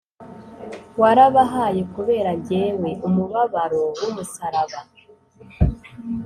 Warabahaye kubera jyewe, Umubabaro w'umusaraba